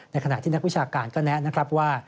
ขณะที่นักวิชาการก็แนะนะครับว่า